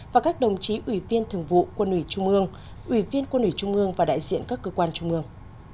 và các đồng chí ủy viên thường vụ quân ủy trung ương ủy viên quân ủy trung ương và đại diện các cơ quan trung ương